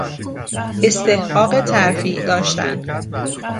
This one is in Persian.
استحقاق ترفیع داشتن